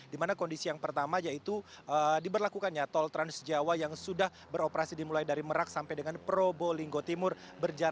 dimana kondisi yang pertama yaitu diberlakukan ya tol trans jawa yang sudah beroperasi dimulai dari merak sampai dengan probo linggo timur berjarak sembilan ratus tujuh puluh tujuh km